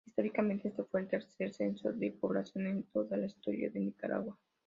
Históricamente, este fue el tercer censo de población en toda la Historia de Nicaragua.